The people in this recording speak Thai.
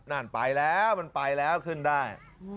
นั่นไปแล้วมันไปแล้วขึ้นได้